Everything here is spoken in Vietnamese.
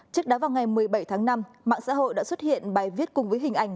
trước đó vào ngày một mươi bảy tháng năm mạng xã hội đã xuất hiện bài viết cùng với hình ảnh